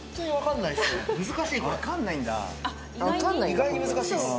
意外に難しいです。